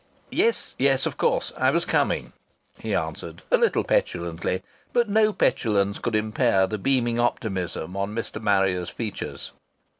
"Yes, yes! Of course! I was coming," he answered a little petulantly. But no petulance could impair the beaming optimism on Mr. Harrier's features.